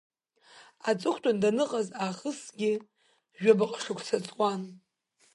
Аҵыхәтәан даныҟаз аахысгьы жәабаҟа шықәса ҵуан.